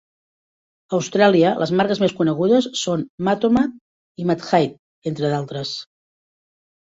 A Austràlia, les marques més conegudes són Mathomat i MathAid, entre d"altres.